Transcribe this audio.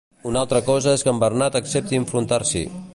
Una altra cosa és que Bernat accepti enfrontar-s'hi .